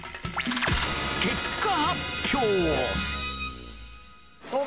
結果発表。